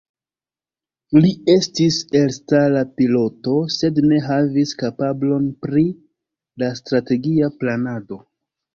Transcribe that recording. Li estis elstara piloto, sed ne havis kapablon pri la strategia planado.